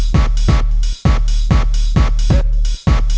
kamu lupa pak